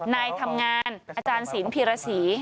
นายทำงานอาจารย์ศิลปีรสี